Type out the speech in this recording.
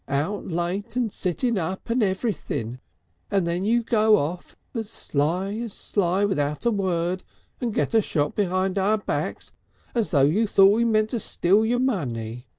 Out late and sitting up and everything. And then you go off as sly as sly without a word, and get a shop behind our backs as though you thought we meant to steal your money.